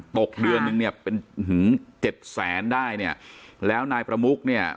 ตกเดือนนึงเนี่ยเป็นเจ็ดแสนได้เนี่ยแล้วนายประมุกเนี่ย